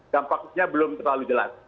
dampaknya belum terlalu jelas